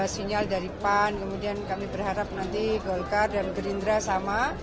sinyal dari pan kemudian kami berharap nanti golkar dan gerindra sama